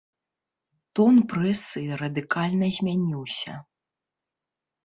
Тон прэсы радыкальна змяніўся.